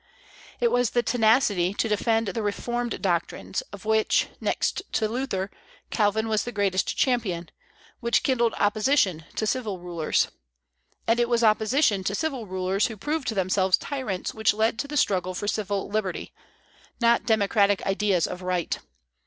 It was the tenacity to defend the reformed doctrines, of which, next to Luther, Calvin was the greatest champion, which kindled opposition to civil rulers. And it was opposition to civil rulers who proved themselves tyrants which led to the struggle for civil liberty; not democratic ideas of right.